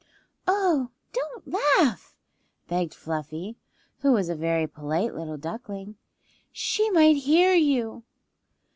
"Oh don't laugh," begged Fluffy, who was a very polite little duckling. "She might hear you."